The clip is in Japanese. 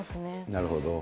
なるほど。